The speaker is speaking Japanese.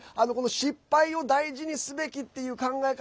失敗を大事にすべきっていう考え方